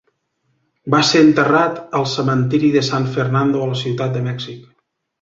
Va ser enterrat al cementiri de San Fernando a la Ciutat de Mèxic.